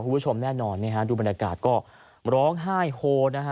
คุณผู้ชมแน่นอนดูบรรยากาศก็ร้องไห้โฮนะฮะ